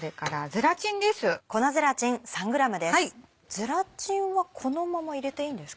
ゼラチンはこのまま入れていいんですか？